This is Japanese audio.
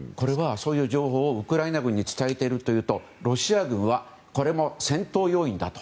そういう情報をウクライナ軍に伝えているというとロシア軍はこれも戦闘要員だと。